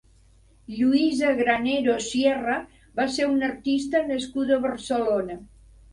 Lluïsa Granero Sierra va ser una artista nascuda a Barcelona.